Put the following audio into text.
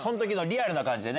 リアルな感じでね。